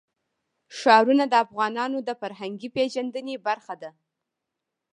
ښارونه د افغانانو د فرهنګي پیژندنې برخه ده.